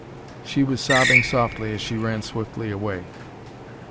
She was sobbing softly as she ran swiftly away.